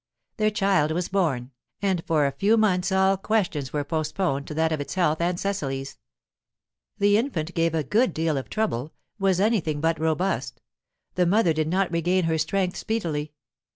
Their child was born, and for a few months all questions were postponed to that of its health and Cecily's. The infant gave a good deal of trouble, was anything but robust; the mother did not regain her strength speedily.